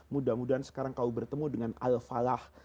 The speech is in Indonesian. mudah mudahan sekarang kau bertemu dengan al falah